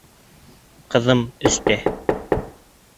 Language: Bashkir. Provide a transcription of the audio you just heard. Ҡыҙым өстә